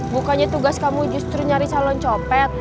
bukannya tugas kamu justru nyari calon copet